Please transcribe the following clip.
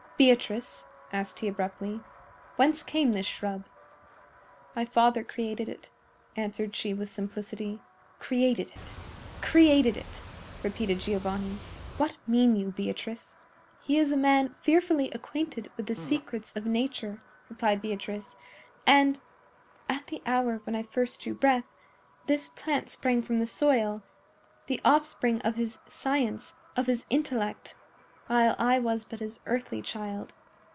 "Beatrice," asked he, abruptly, "whence came this shrub?" "My father created it," answered she, with simplicity. "Created it! created it!" repeated Giovanni. "What mean you, Beatrice?" "He is a man fearfully acquainted with the secrets of Nature," replied Beatrice; "and, at the hour when I first drew breath, this plant sprang from the soil, the offspring of his science, of his intellect, while I was but his earthly child.